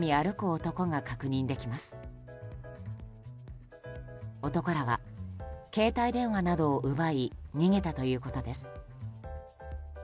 男らは携帯電話などを奪い逃げたということです。